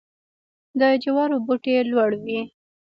د جوارو بوټی لوړ وي.